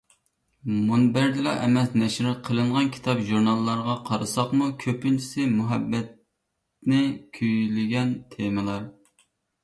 مۇنبەردىلا ئەمەس، نەشر قىلىنغان كىتاب-ژۇرناللارغا قارىساقمۇ، كۆپىنچىسى مۇھەببەتنى كۈيلىگەن تېمىلار.